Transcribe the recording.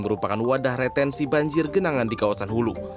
merupakan wadah retensi banjir genangan di kawasan hulu